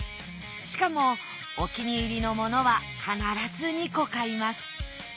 しかもお気に入りのものは必ず２個買います。